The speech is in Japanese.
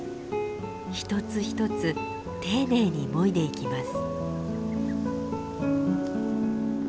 一つ一つ丁寧にもいでいきます。